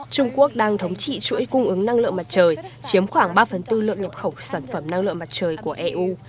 trung quốc đang thống trị chuỗi cung ứng năng lượng mặt trời chiếm khoảng ba phần tư lượng nhập khẩu sản phẩm năng lượng mặt trời của eu